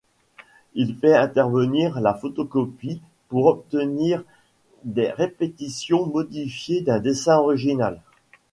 Il fait intervenir la photocopie, pour obtenir des répétitions modifiées d'un dessin original.